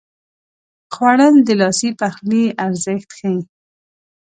خوړل د لاسي پخلي ارزښت ښيي